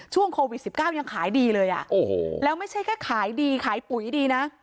ช่วงโควิด๑๙ยังขายดีเลยอ่ะโอ้โหแล้วไม่ใช่แค่ขายดีขายปุ๋ยดีนะ